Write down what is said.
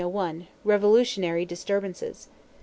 Revolutionary disturbances.